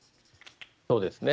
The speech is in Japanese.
そうですね。